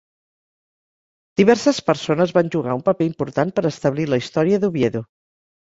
Diverses persones van jugar un paper important per establir la història d'Oviedo.